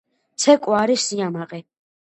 ცეკვა არის სიამაყე